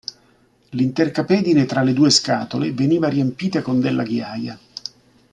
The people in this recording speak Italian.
L'intercapedine tra le due scatole veniva riempita con della ghiaia.